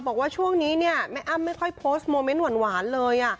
บอกว่าช่วงนี้เนี่ยแม่อ้ำไม่ค่อยโพสต์โมเมนต์หวานเลย